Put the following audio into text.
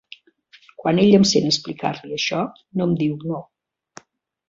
Quan ell em sent explicar-li això, no em diu no.